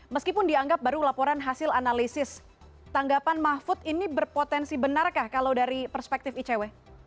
meskipun dianggap baru laporan hasil analisis tanggapan mahfud ini berpotensi benarkah kalau dari perspektif icw